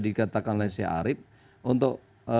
dikatakan oleh si arief untuk